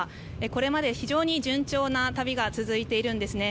これまで非常に順調な旅が続いているんですね。